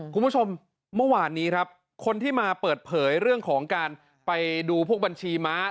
คุณผู้ชมเมื่อวานนี้ครับคนที่มาเปิดเผยเรื่องของการไปดูพวกบัญชีม้า